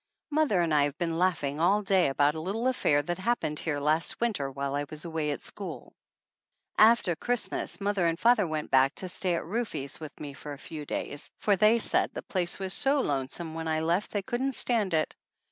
Mother and I have been laughing all day about a little affair that happened here last winter while I was away at school. After Christmas mother and father went back to stay at Rufe's with me a few days, for they said the place was so lonesome when I left they couldn't stand it.